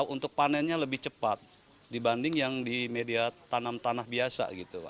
untuk panennya lebih cepat dibanding yang di media tanam tanah biasa